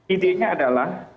ide nya adalah